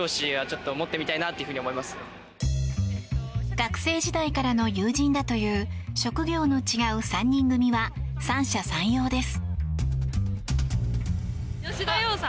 学生時代からの友人だという職業の違う３人組は三者三様です。